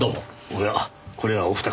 おやこれはお二方。